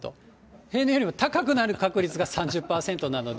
平年よりも高くなる確率が３０％なので。